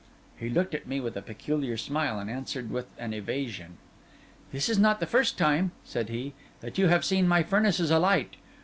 He looked at me with a peculiar smile, and answered with an evasion— 'This is not the first time,' said he, 'that you have seen my furnaces alight.